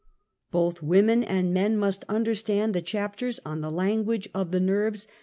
Both men and Aviunen must understand the chap ters on The Language of the Xerves.